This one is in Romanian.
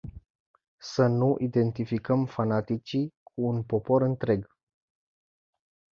Să nu identificăm fanaticii cu un popor întreg.